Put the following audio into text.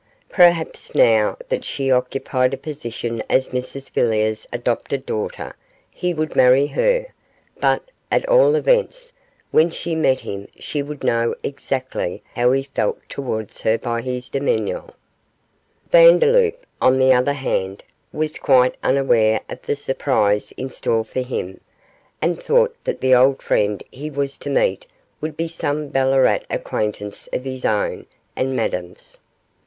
Perhaps now that she occupied a position as Mrs Villiers' adopted daughter he would marry her, but, at all events, when she met him she would know exactly how he felt towards her by his demeanour. Vandeloup, on the other hand, was quite unaware of the surprise in store for him, and thought that the old friend he was to meet would be some Ballarat acquaintance of his own and Madame's.